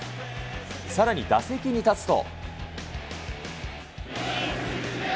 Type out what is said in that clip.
さらに打席に立つと。